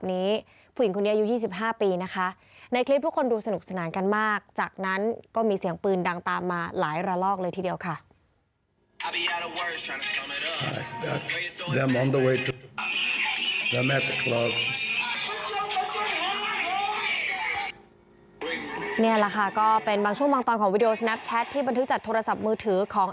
เนี่ยแหละค่ะก็เป็นบางช่วงบางตอนของวีดีโอสแน็พแชทที่บันทึกจัดโทรศัพท์มือถือของ